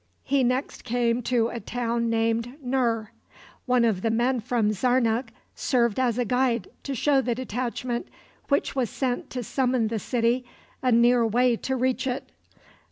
He next came to a town named Nur. One of the men from Zarnuk served as a guide to show the detachment which was sent to summon the city a near way to reach it.